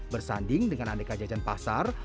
bersanding dengan aneka jajan pasar